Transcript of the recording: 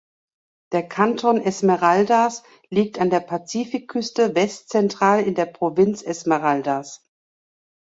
Der Kanton Esmeraldas liegt an der Pazifikküste westzentral in der Provinz Esmeraldas.